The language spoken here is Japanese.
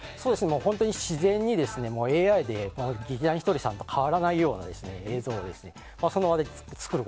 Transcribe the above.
本当に自然に、ＡＩで劇団ひとりさんと変わらないような映像をその場で作れます。